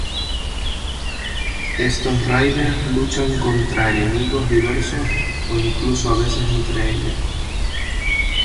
Estos Riders luchan contra enemigos diversos o incluso a veces entre ellos.